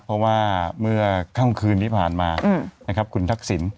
เพราะว่าเมื่อข้างคืนนี่ผ่านมาคุณทักษิณ